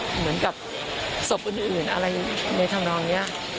เหมือนกับศพอื่นอะไรในทางน้องเนี่ย